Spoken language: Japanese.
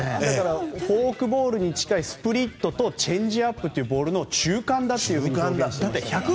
フォークボールに近いスプリットとチェンジアップというボールの中間だという話ですよ。